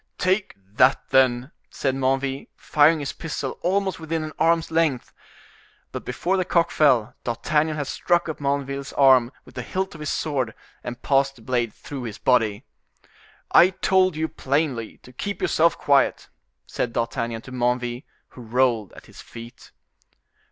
"Take that, then!" said Menneville, firing his pistol almost within an arm's length. But before the cock fell, D'Artagnan had struck up Menneville's arm with the hilt of his sword and passed the blade through his body. "I told you plainly to keep yourself quiet," said D'Artagnan to Menneville, who rolled at his feet.